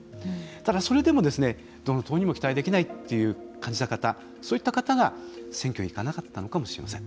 ただ、それでもどの党にも期待できないと感じた方そういった方が選挙に行かなかったのかもしれません。